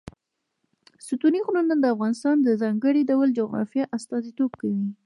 ستوني غرونه د افغانستان د ځانګړي ډول جغرافیه استازیتوب کوي.